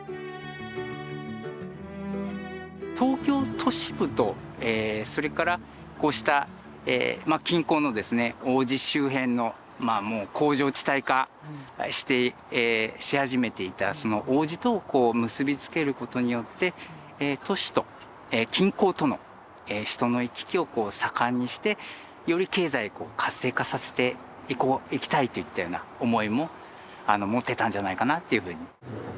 東京都市部とそれからこうした近郊の王子周辺の工場地帯化し始めていた王子と結び付けることによって都市と近郊との人の行き来を盛んにしてより経済を活性化させていこういきたいといったような思いも持ってたんじゃないかなというふうに。